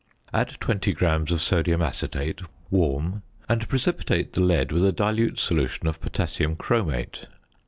Add 20 grams of sodium acetate, warm, and precipitate the lead with a dilute solution of potassium chromate.